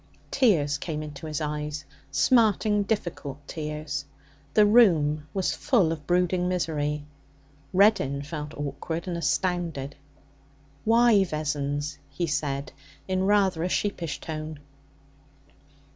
Tears came into his eyes smarting, difficult tears. The room was full of brooding misery. Reddin felt awkward and astounded. 'Why, Vessons?' he said in rather a sheepish tone.